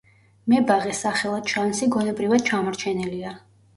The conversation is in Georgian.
მებაღე სახელად შანსი გონებრივად ჩამორჩენილია.